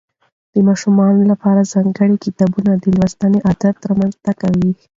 د ماشومانو لپاره ځانګړي کتابونه د لوستنې عادت رامنځته کوي.